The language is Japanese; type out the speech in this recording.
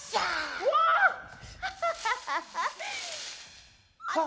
うわっ！